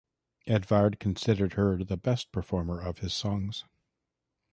Edvard considered her the best performer of his songs.